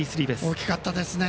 大きかったですね。